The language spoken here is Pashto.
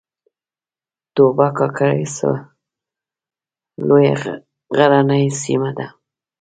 توبه کاکړۍ سوه لویه غرنۍ سیمه ده